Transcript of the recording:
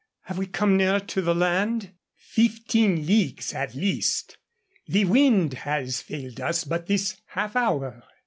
Have we come nearer to the land?" "Fifteen leagues at least. The wind has failed us but this half hour.